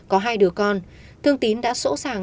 có hai đứa con thương tín đã sỗ sàng